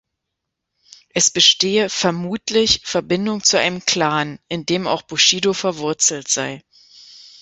Es bestehe „vermutlich“ Verbindung zu einem Clan, in dem auch Bushido verwurzelt sei.